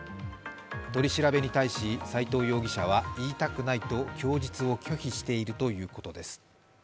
取り調べに対し、斎藤容疑者は言いたくないと供述を拒否しているということです。